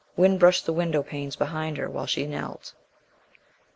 Wind brushed the window panes behind her while she knelt.